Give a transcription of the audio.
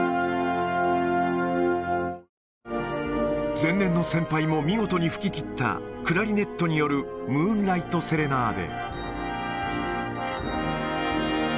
前年の先輩も見事に吹ききったクラリネットによるムーンライト・セレナーデ。